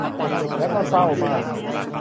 และก็เศร้ามาก